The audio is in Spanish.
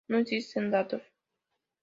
No existen datos.